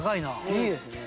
いいですね。